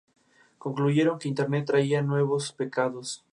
concluyeron que Internet traía nuevos pecados